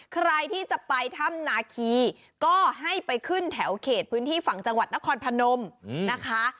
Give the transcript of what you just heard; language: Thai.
ใครที่จะไปถ้ำนาคีก็ให้ไปขึ้นแถวเขตพื้นที่ฝั่งจังหวัดนครพนมนะคะ